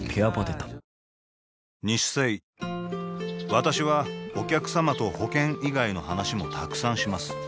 私はお客様と保険以外の話もたくさんします